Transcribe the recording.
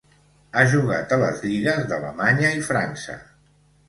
Ha jugat a les lligues d'Alemanya i França.